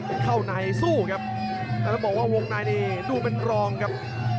ครับเข้าในสู้ครับกับบอกว่าวงขนาดนี้ดูเป็นรองครับ